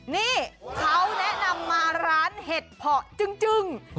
นี่เขาน่ำมาร้านเผ่าเผ่าจึ๊ง